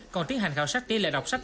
còn tiến hành gạo sách tiên lệ đọc sách